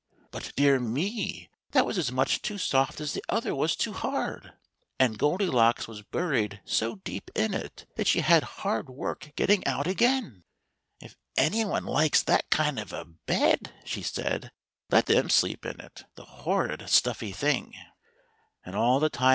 But, dear me ! that was as much too soft as the other was too hard ; and Goldilocks was buried so deep in it that she had hard work getting out again. If any one likes that kind of a bed said she, " let them sleep in it — the hor rid stuffy thing!" And all the time ' v (V V, i f 1 112 2 THE THREE BEARS.